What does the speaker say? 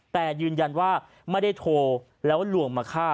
แต่ยืนยันว่าไม่ได้โทรแล้วลวงมาฆ่า